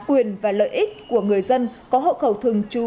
quyền và lợi ích của người dân có hộ khẩu thường trú